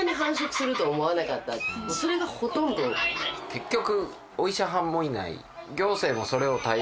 結局。